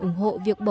ủng hộ việc hối lộ